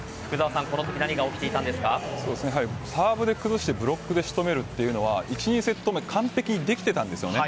このときサーブで崩してブロックで仕留めるというのは１、２セット目完璧にできていたんです。